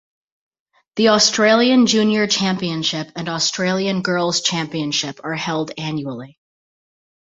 The Australian Junior Championship and Australian Girls Championship are held annually.